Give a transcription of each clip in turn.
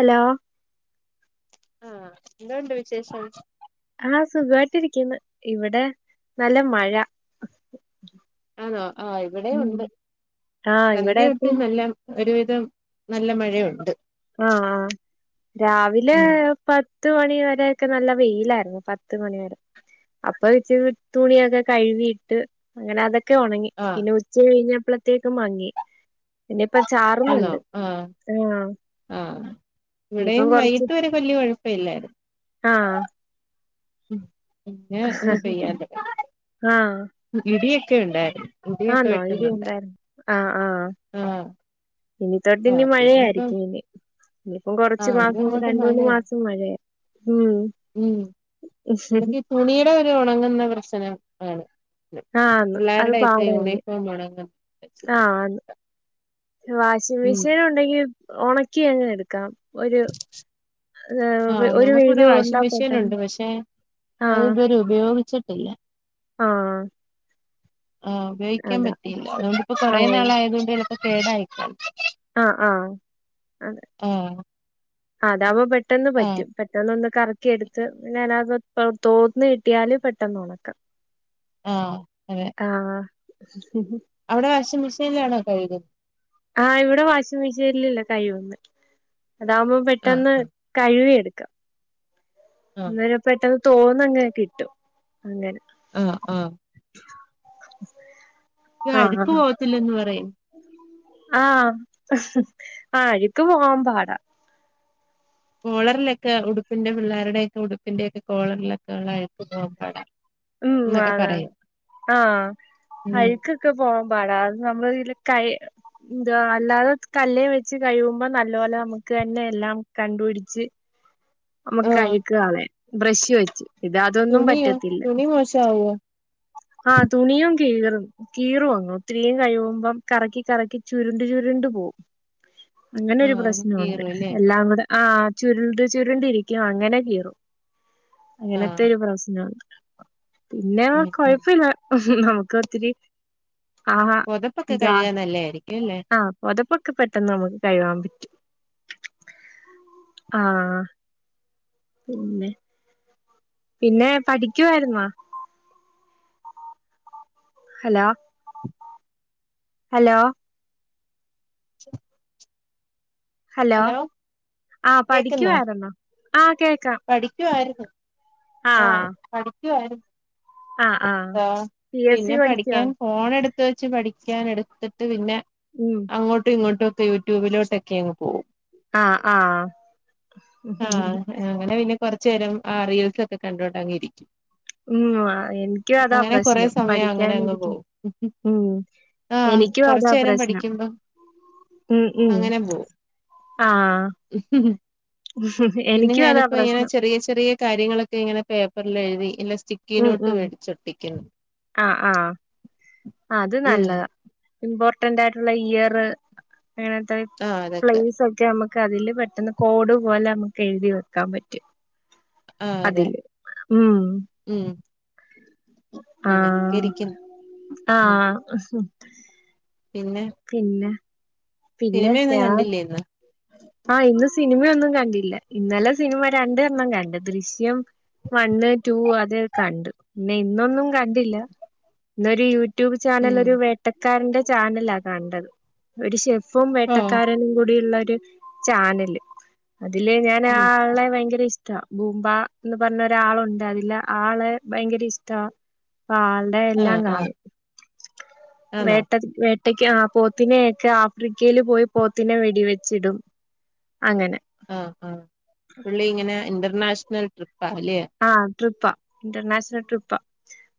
Hello ആഹ് എന്തോണ്ട് വിശേഷം ആഹ് സുഖായിട്ടിരിക്കുന്നു ഇവിടെ നല്ല മഴ ആണോ ആഹ് ഇവിടേം ഉം ഉണ്ട് ആഹ് ഇവിടെ സന്ധ്യ തൊട്ട് ഇപ്പം നല്ലോം ഒരുവിധം നല്ല മഴയുണ്ട് ആഹ് ആ ഹ് രാവിലെ ഉം പത്ത് മണിവരെയൊക്കെ നല്ല വെയിലായിരുന്നു പത്ത് മണിവരെ അപ്പൊ വച്ച് തുണിയൊക്കെ കഴുകിയിട്ട് അങ്ങനെ അതൊ ക്കെ ഉണങ്ങി ആഹ് പിന്നെ ഉച്ച കഴിഞ്ഞപ്പളത്തേക്ക് മങ്ങി പിന്നപ്പ ചാർ ആന്നോ ആഹ് ആഹ് ഇവിടെയും ഇനിയിപ്പം കൊറച്ച് വൈകിട്ട് വരെ വല്ലിയ കുഴപ്പല്ലായിരുന്നു ആഹ് പിന്നെ ഒന്ന് പെയ്യാൻ തൊടങ്ങി ഇടിയൊക്കെ ഉണ്ടായിരുന്നു ഇടിയൊക്കെ ആണോ ഇടി വെട്ടുന്നുണ്ടായിരുന്നു ഉണ്ടായിരുന്നോ ആഹ ആഹ് ആഹ് ഇനി തൊട്ട് ഇനി ആഹ് പിന്നെ ഇപ്പം മഴയായിരിക്കും ഇനി ഇപ്പം കൊറച്ചു ആഹ് ഇത് മാസം അങ്ങോട്ട് രണ്ട് മൂന്ന് മഴയാ മാസം മഴയ ഉ ഉം നമക്ക് ഈ തുണിയുടെ ഒരു ഉണങ്ങുന്ന പ്രശ്നം ആണ് ആഹ് അന്ന് അത് പിള്ളേരുടെയൊക്കെ പാട തന്നെ യൂണിഫോം ഉണങ്ങുന്ന ആഹ ആണ് വാഷിംങ് ഉം മെഷീൻ ഉണ്ടെങ്കി ഉണക്കി അങ്ങനെ എടുക്കാം ഒരു ഏ ആഹ് ഒരു നമുക്കിവിടെ വെയിലും കൊണ്ട വാഷിംഗ് മെഷീൻ പെട്ടന്ന് ഉണ്ട് പക്ഷെ അത് ഇതുവരെ ഉപയോഗിച്ചിട്ടില്ല ആഹ ആഹ് ഉപയോഗിക്കാൻ പറ്റിയില്ല അതു കൊണ്ടിപ്പോ കൊറേ ആഹ് നാളായത് കൊണ്ട്. കേടായിക്ക [unintelligible] ആഹ് ആഹ് അതെ. ഏഹ്. ആഹ് അതാവുമ്പോ പെട്ടെന്ന് പറ്റും. പെട്ടെന്ന് ഒന്ന് കറക്കിയെട്ത്ത് പിന്നെ അ [unintelligible] നാത്ത് തോർന്ന് കിട്ടിയാല് പെട്ടെന്ന് ഉണക്ക. ആഹ് അതെ. ആഹ്. അവിടെ വാഷിം മെഷീന്ലാണോ കയ്കു ആഹ് ഇവിടെ വാഷിംഗ് മിഷീന്ലല്ലേ കയ്കുന്ന അതാവുമ്പം ആഹ് പെട്ടെന്ന്. ആഹ് കഴുവിയെട്ക്കാം. എന്ന [unintelligible] പെട്ടെന്ന് തോർന്നങ്ങനെ കിട്ടും അങ്ങനെ. ആഹ് ആഹ്. ആഹ് അഴ്‌ക്ക് പോകത്തില്ലന്ന് പറയും. ആഹ് ആഹ് അഴ്‌ക്ക് പോവാൻ പാടാ. കോളറ്ലൊക്കെ ഉടുപ്പിന്റെ പിള്ളേരുടെക്കെ ഉടുപ്പിന്റെ ഒക്കെ കോളറ്ലൊക്കെ ഉള്ള അഴ്‌ക്ക് പോകൻ പാടാ. ഉം എന്നൊക്കെ അതെ പറയും അത ആഹ് ഉം അഴ്ക്ക്‌. ക്ക് ‌പോകാൻ പാടാ അ നമ്മൾ ഇതിൽ കൈ ന്തോ അല്ലാതെ കല്ലെ വെച്ച് കഴുകുമ്പം നല്ലോലെ നമുക്കെന്നെ എല്ലാം കണ്ടു പിടിച്ച്. നമ്മുക്ക് ആഹ് അഴ്‌ക്ക്‌ കളയാ ബ്രഷ് വെച്ച് ഇത് അതൊന്നും തുണിയോ പറ്റത്തില്ല. തുണി മോശാവോ ആഹ് തൂണിയും കീറും. കീറു അങ്ങ് ഇത്തിരി കഴിയുമ്പോ കറക്കി കറക്കി ചുരുണ്ട് ചുരുണ്ട് പോവും. അങ്ങനെ ഒരു ആഹ് പ്രശ്നൊണ്ട് കീറും അല്ലേ എല്ലാം കൂടെ ആ ചുരുണ്ട് ചുരുണ്ട്. ണ്ടിരിക്ക അങ്ങനെ കീറും അങ്ങനത്തെ ആഹ് ഒരു പ്രശ്നാണ്. പിന്നെ ഉം ഉം കൊഴപ്പില്ല നമുക്ക് ഒത്തിരി. ആഹാ പൊതപ്പൊക്കെ എന്താ കഴുകാൻ നല്ലായിരിക്ക്യുല്ലെ? ആഹ് പൊതപ്പൊക്കെ പെട്ടെന്ന് നമുക്ക് കഴുകാൻ പറ്റും ആഹ്. പിന്നെ. പിന്നെ പഠിക്ക്യുവായിര്ന്നോ? Hello hello. [inaudible] ഹലോ ആഹ് പഠിക്ക്യുവായിര്ന്നോ ആ കേക്കാം. പഠിക്ക്യുവായിര്ന്നു ആഹ ആഹ് പഠിക്ക്യുവായിര് ആഹ് പി എസ് സി പിന്നെ പഠിക്കുവാ പഠിക്ക്യാൻ. ഫോൺ എട്ത്ത് വെച്ച് പഠിക്ക്യാൻ എടുത്ത്ട്ട് പിന്നെ. ഉം. അങ്ങോട്ടും ഇങ്ങോട്ടൊക്കെ യൂട്യൂബിലോട്ടൊക്കെ അങ്ങ് പോകും. ആഹ് ആഹ്. ആഹ് അങ്ങനെ പിന്നെ കൊറച്ചു നേരം ആ റീൽസ് ഒക്കെ കണ്ടോണ്ടങ്ങിരിക്കും. ഉം ആഹ് എന്ക്ക്യു അതാ പ്രശ്നം സമയം അങ്ങനെ അങ്ങ് പഠിക്ക്യാനിരിക്കും പോകും ഉം. ആഹ് എനിക്ക്യു കൊറച്ചു അതാ നേരം പ്രശ്നം. പഠിക്കുമ്പം ഉം ഉം അങ്ങനെ പോ ആഹ്. പിന്നെ എനിക്കും അതാ ഞാനിപ്പോ ഇങ്ങനെ പ്രശ്നം ചെറിയ ചെറിയ. കാര്യങ്ങളൊക്കെ ഇങ്ങനെ പേപ്പറില് എഴുതി ഇലെസ്റ്റി ഉം ഉം ആഹ് ആഹ് അത് ഉം നല്ലതാ ഇമ്പോർട്ടന്റ് ആയിട്ടുള്ള ഇയറ് അങ്ങനത്തെ ആഹ് അതൊക്കെ പ്ലേയ്സൊ റ്റ് നമ്മക്ക് അതില് പെട്ടന്ന് കോഡു പോലെ നമ്മക്ക് എഴുതി വെക്കാൻ പറ്റും ആഹ് അതെ അതില് ഉം ഉം അങ്ങനെയൊക്കെ ആഹ് ഇരിക്കുന്നു ഉം ആഹ് പിന്നെ പിന്നെ പിന്നെ സിനിമയൊന്നും ഞാൻ കണ്ടില്ലേ ഇന്ന് ആഹ് ഇന്ന് സിനിമയൊന്നും കണ്ടില്ലാ ഇന്നലെ സിനിമ രണ്ടണ്ണം കണ്ട് ദൃശ്യം വണ്ണ് റ്റൂ അത് കണ്ട് പിന്നെ ഇന്നൊന്നും കണ്ടില്ലാ ഇന്നൊരു യൂറ്റ് ട്യൂബ് ചാനൽ ഉം ഒരു വേട്ടക്കാരന്റെ ചാനലാ കണ്ടത് ഒരു ഷെഫും ആഹ് വേട്ടക്കാരനും കൂടിയുള്ളൊരു ചാനല് അതില് ഞാൻ ആ ഉം ആളെ ഭയങ്കര ഇഷ് റ്റാ ബൂംമ്പാന്ന് പർഞ്ഞൊരാളൊണ്ട് അതിലാ ആളെ ഭയങ്കര ഇഷ്ട്ടവാ അപ്പ ആൾ ടെ എല്ലാം ആഹ് ആഹ് കാണും ആണോ വേട്ടൻ വേ ട്ടക്ക് ആഹ് പോത്തിനെയൊക്കെ ആഫ്രിക്കയിൽ പോയി പോത്തിനെ വെടിവെച്ചിടും അങ്ങനെ ആഹ് ആഹ് പുള്ളി ഇങ്ങനെ ഇന്റർനാഷണൽ ട്രിപ്പാല്ലേ ആഹ് ട്രിപ്പാ ഇന്റർനാഷണൽ ട്രിപ്പാ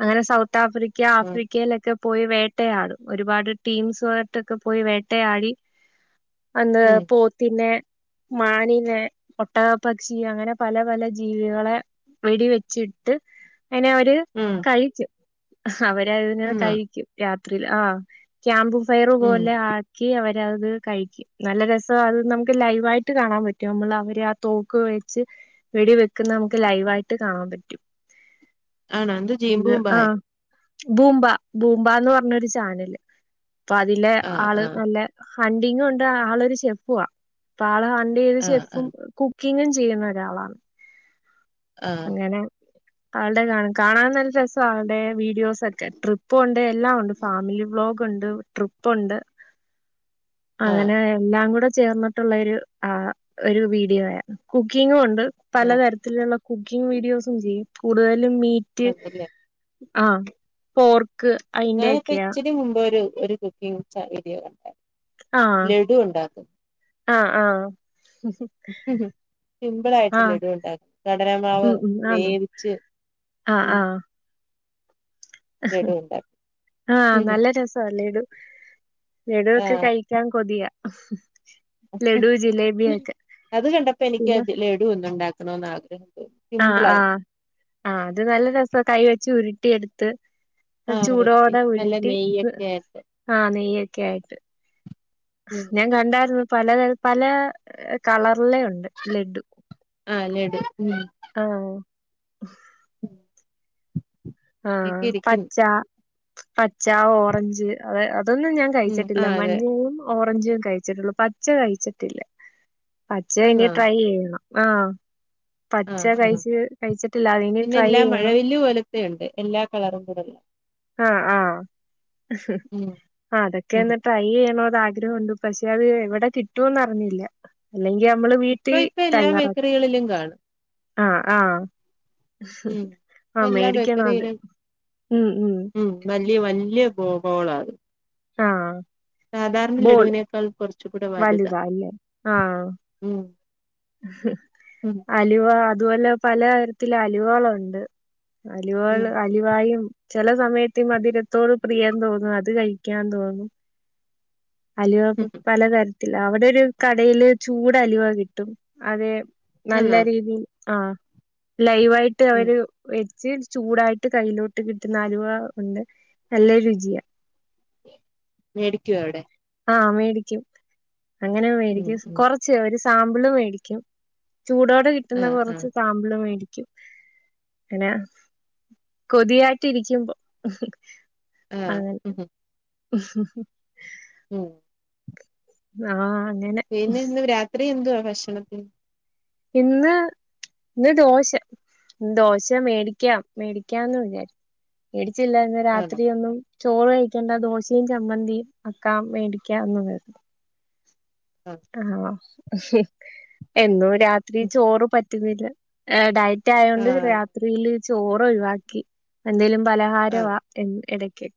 അങ്ങനെ സൗത്ത് ആഫ്രിക്ക ഉം ആഫ്രിക്കയിലൊക്കെ പോയി വേട്ടയാടും ഒരുപാട് ടീംസുവായിട്ടൊക്കെ പോയി വേട്ടയാടി അന്ന് ഉം പോത്തിന്നെ മാനിനെ ഒട്ടക പക്ഷി അങ്ങനെ പല പല ജീവികളെ വെടി വെച്ചിട്ട് അയിനെ ഒരു ഉം കഴിക്കും അവരതിനെ ആന്നോ കഴിക്കും രാത്രീല് ആഹ് ക്യാമ്പ് ഫയറ് ഉം പോലെ ആക്കി അവരത് കഴിക്കും നല്ല രസവാ അത് നമുക്ക് ലൈവായിട്ട് കാണാൻ പറ്റും നമ്മള് അവരെ ആ തോക്ക് വെച്ച് വെടി വെക്കുന്നെ നമ്മക്ക് ലൈവായിട്ട് കാണാൻ പറ്റും ആണോ എന്ത് [unintelligible] ജീമ്പൂമ്പായോ ആഹ് ബൂമ്പാ ബൂമ്പാന്ന് പറഞ്ഞൊരു ചാനല് അപ്പൊ അതിലെ ആഹ് ആള് ആഹ് നല്ലേ ഹണ്ടിങ്ങുണ്ട് ആളൊരു ഷെഫുവാ അപ്പൊ ആള് ഹണ്ട് ചെയ്ത് ആഹ് ഷെഫും ആഹ് കുക്ക് ക്കിങ്ങും ചെയ്യുന്ന ഒരാളാണ് ആഹ് അങ്ങനെ ആൾടെ കാ കാണാൻ നല്ല രസാ ആളുടെ വീഡിയോസൊക്കെ ട്രിപ്പൊണ്ട് എല്ലാം ഒണ്ട് ഫാമിലി വ്ളോഗ്ണ്ട് ട്രിപ്പുണ്ട് ആഹ് അങ്ങനെ എല്ലാം കൂടെ ചേർന്നിട്ടുള്ളാരു ആഹ് ഒരു വീഡിയോയാ കുക്കിങ്ങും ഉണ്ട് ആഹ് പലതരത്തിലുള്ള കുക്കിംഗ് വീഡിയോസും ചെയ്യും കൂടുതലും മീറ്റ് അതല്ലേ ആഹ് പോർക്ക് ക്ക് അയ് ഞാനിപ്പോ ഇച്ചിരി മുമ്പ് ഒരു ഒരു കുക്കിംഗ് ച വീഡിയോ കണ്ടായിരുന്നു ആഹ് ലഡു ഉണ്ടാക്കും ആഹ് ആഹ് സിംമ്പിൾ ആയിട്ട് ആഹ് ലഡുവുണ്ടക്കും കടലമാവ് ഉം ഉം ആന്നോ വേവിച്ച് ആഹ് ഉം ആഹ് ലഡു ഉണ്ടാക്കും ആഹ് നല്ല രസാലഡു ലഡു ഒക്കെ കഴി- ആഹ് കഴിക്കാൻ കൊതിയാ ലഡു ജിലേബിയൊക്കെ അത് കണ്ടപ്പോ എനിക്ക് പിന്നെ ലഡു ഒന്ന് ഉണ്ടാക്കണന്ന് ആഗ്രഹം തോന്നി ആഹ് സിമ്പിളായി ആഹ് ആഹ് അത് നല്ല രസാ കൈ വെച്ച് ഉരുട്ടി എടുത്ത് ആഹ് വരട്ടി ചൂടോടെ നല്ല ഉരുട്ടി നെയ്യൊക്കെ ആയിട്ട് ആഹ് നെയ്യൊക്കെ ആയിട്ട് ഉം ഞാൻ കണ്ടായിരുന്നു പലതരത്തി- പല കളറിലെ ഉണ്ട് ലഡു ആഹ് ലഡു ഉം ആഹ് ഒക്കെ ആഹ് ഇരിക്കുന്നു പച്ച പച്ച ഓറഞ്ച് അതൊന്നും ഞാൻ ഉം കഴിച്ചിട്ടില്ല ആഹ് അതെ മഞ്ഞയും ഓറഞ്ചും കഴിച്ചിട്ടുള്ളൂ പച്ച കഴിച്ചിട്ടില്ല പച്ച ഇനി ആന്നോ ട്രൈ ചെയ്യണം ആഹ് പച്ച ആഹ് ആഹ് കഴിച്ച് കഴിച്ചിട്ടില്ല അതിനി പിന്നെ ട്രൈ എല്ലാ ചെയ്യണം മഴവില്ല് പോലത്തെയുണ്ട് എല്ലാ കളറും കൂടെള്ള ആഹ് ആഹ് ഉം അതൊക്കെ ഉം എന്നിട്ടായി ട്രൈ ചെയ്യണോന്ന് ആഗ്രഹമുണ്ട് പക്ഷെ അത് എവിടെ കിട്ടുവെന്ന് അറിഞ്ഞില്ല അല്ലെങ്കി നമ്മള് ഇപ്പൊ വീട്ടിൽ ഇപ്പൊ തയ്യാറാക്കും [unintelligible] കാണും ആഹ് ആഹ് ഉം ഇപ്പ ആഹ് എല്ലാ മേടിക്കണം അത് ബേക്കറിയിലും ഉം ഉം വല്യ വല്യ [unintelligible] അത് ആഹ് സാധാരണ ബോൾ ലഡുവിനേക്കാൾ കുറച്ച് കൂടെ വലുതാ അല്ലേ ആഹ് ഉം ഉം അലുവ അതുപോലെ പലതരത്തിൽ അലുവകളുണ്ട് ഉം അലുവോള് അലുവായും ചില സമയത്ത് ഈ മധുരത്തോട് പ്രിയം തോന്നും അത് കഴിക്കാൻ തോന്നും [inaudible] അലുവ പലതരത്തില് അവിടെ ഒരു കടയില് ചൂട് അലുവ കിട്ടും അതെ നല്ല ആന്നോ രീതിയിൽ ആഹ് ലൈവായിട്ട് ഉം അവര് ചൂടായിട്ട് കയ്യിലോട്ട് കിട്ടുന്ന അലുവ ഉണ്ട് നല്ല രുചിയ മേടിക്കുമോ അവിടെ ആഹ് മേടിക്കും അങ്ങനെ ഉം മേടിക്കും ഉം കൊറ ച്ച് ഒരു സാമ്പിള് മേടിക്കും ചൂടോടെ കിട്ടുന്ന ആഹ് കുറച്ച് ആഹ് സാമ്പിളും മേടിക്കും അങ്ങനെ കൊതിയായിട്ട് ഇരിക്കുമ്പം ആഹ് [inaudible] ഉം ആഹ് അങ്ങനെ പിന്നെ ഇന്ന് രാത്രി എന്തുവാ ഭക്ഷണത്തിന് ഇന്ന് ഇന്ന് ദോശ ദോശ മേടിക്ക മേടിക്കാന്ന് വിചാരി- മേടിച്ചില്ല എന്ന് ആണോ രാത്രി ഒന്നും ചോറ് കഴിക്കേണ്ട ദോശയും ചമ്മന്തിയും അക്കാം മേടിക്കാം എന്ന് [unintelligible] [unintelligible] ആഹ് എന്നും രാത്രി ചോറ് പറ്റുന്നില്ല ഡയറ്റ് ആ ആയതോണ്ട് രാത്രിയില് ചോറ് ഒഴിവാക്കി എന്തേലും ആ പലഹാരവാ എ ഇടയ്ക്ക്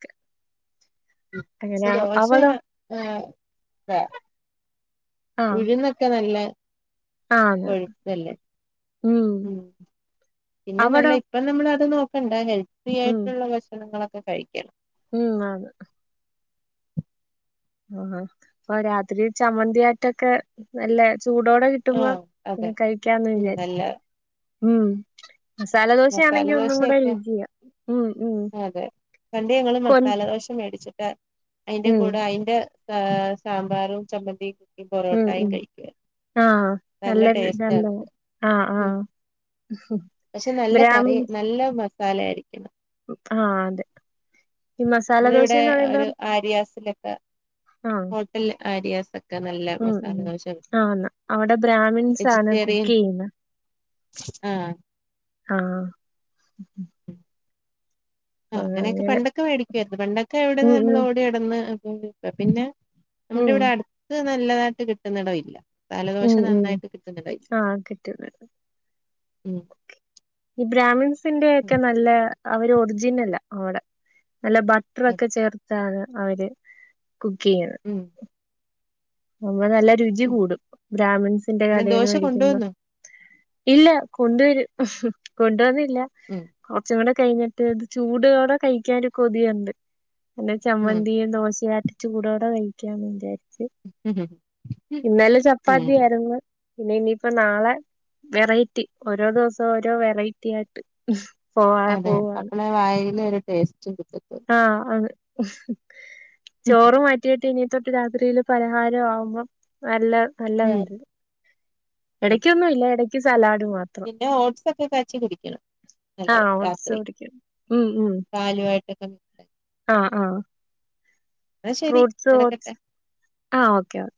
സ ദോഷാ അവിടോ [unintelligible] ആഹ് ഉഴുന്നൊക്ക നല്ല ആന്ന് കോയ്‌പ്പല്ലെ ഉം പിന്നെ നല്ല അവിടോ ഇപ്പം നമ്മള് അത് നോക്കണ്ട ഹെൽത്തി ഉം ആയിട്ടുള്ള ഭക്ഷണങ്ങളൊക്ക കഴിക്കണം ഉം അതെ ഉം ഇപ്പൊ രാത്രി ചമ്മന്തിയായിട്ടൊക്കെ നല്ല ചൂടോടെ ആ കിട്ടുമ്പം അതെ കഴിക്കാന്ന് ഉം വിചാരി നല്ല ഉം മസാല മസാല ദോശയാണെങ്കി ഒന്നും കൂടെ ദോശയൊക്കെ രുചിയാ ഉം ഉം അതെ പണ്ട് ഞങ്ങള് കൊൻ മസാലദോശ മേടിച്ചിട്ട് അയിന്റെ ഉം കൂടെ അയിന്റെ സാമ്പാറും ചമ്മന്തി ഉം പൊറോട്ടായും ഉം കഴിക്കും ആഹ് നല്ല നല്ലൊരു ടേസ്റ്റ അത് ഉം ഉം പക്ഷെ നല്ല കറി നല്ല മസാല ആയിരിക്കണം ആ അതെ ഈ മസാല നമ്മള് ഇവടെ ദോശന്ന് ഒരു ആരിയാസിലൊക്ക ആ ഹോട്ടല് ആരിയാസ് ഒക്ക നല്ല ഉം മസാലദോശ ആന്ന് അവിടെ ബ്രാഹ്മിൻസ് ആണ് കുക്ക് വെജിറ്റേറിയൻ ചെയ്യുന്നെ ആ ആഹ് ആ ആഹ് അങ്ങനെയേക്കെ അങ്ങനെ പണ്ടൊക്കെ വെടിക്കുവായിരുന്നു പണ്ടൊക്കെ ഇവടെന്ന് ഉം നമ്മള് ഉം ഓടി നടന്ന് പിന്നെ നമ്മുടെ ഉം ഇവടെ അട്ത്ത് നല്ലതായിട്ട് കിട്ടുന്നടമില്ല മസാല ദോശ ഉം ഉം നന്നായിട്ട് കിട്ടുന്നി [unintelligible] ആഹ് കിട്ടും ഉം ഈ ബ്രാഹ്മൺസിന്റെ ഒക്കെ ഉം നല്ല അവര് ഒർജിനല അവടെ നല്ല ഭ ത്രോക്ക അതെ ചേർത്താണ് അവര് കുക്ക് ചെയ്യുന്നെ ഉം അപ്പ നല്ല രുചി ഉം കൂടും ബ്രാഹ്മിൺസിന്റെ പിന്നെ കടെന്ന് ദോശ മേടിക്കുമ്പം കൊണ്ടുവന്നോ ഇല്ല കൊണ്ടുവരും കൊണ്ടുവന്നില്ല ഉം കൊർച്ചും കൂടെ കഴിഞ്ഞ് റ്റേത് ചൂടോടെ കഴിക്കാൻ ഒര് കൊതിയുണ്ട് പിന്നെ ഉം ചമ്മന്തിയും ദോശ ചുടോടെ കഴിക്യാന്ന് വിചാര്ച്ച് ഉം ഉം ഇന്നലെ ചപ്പാത്തി ഉം ആയിരുന്ന് പിന്നെ ഇനിയിപ്പം നാളെ വെറൈറ്റി ഓരോ ദിവസം ഓരോ വെറൈറ്റി ആയിട്ട് പോവാ അതെ പോവാണ് അപ്പളാ വായേല് ഒര് ടേസ്റ്റ് കിട്ടത്തു ആ അതെ ഉം ചോറ് മ റ്റിയിട്ട് ഇനി തോട്ട് രാത്രിയില് പലഹാരം ആവുമ്പം നല്ല ഉം നല്ലതായിരുന്നു അതെ. എടയ്ക്കൊന്നും ഇല്ല എടയ്ക്ക് സലാഡ് മാത്രം പിന്നെ ഓട്സക്കെ കാച്ചി കുടിക്കണം ആ നല്ലതാ ഓട്സ് രാത്രി കുടിക്കും ഉം ഉം പാലുവായിട്ടൊക്ക ആ ആ ന്നാ ശരി ഫ്രൂട്ട്സ് ഓട്സ് നടക്കട്ടെ ആ ഓക്കേ ഓക്കെ